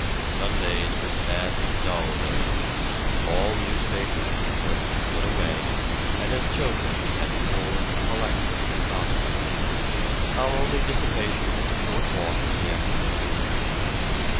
Sundays were sadly dull days; all newspapers were carefully put away, and as children we had to learn the collect and gospel. Our only dissipation was a short walk in the afternoon.